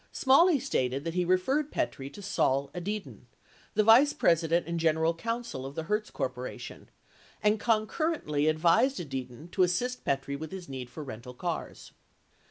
Smalley stated that he referred Petrie to Sol Edidin, the vice president and general counsel of the Hertz Corp., and concurrently advised Edidin to assist Petrie with his need for rental cars.